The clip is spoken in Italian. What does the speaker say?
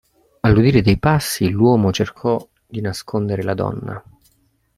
All'udire dei passi l'uomo cercò nasconder la donna.